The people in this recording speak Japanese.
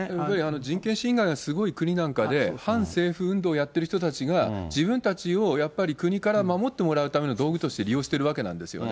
人権侵害がすごい国なんかで、反政府運動をやってる人たちが自分たちをやっぱり国から守ってもらうための道具として利用してるわけなんですよね。